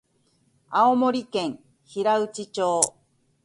青森県平内町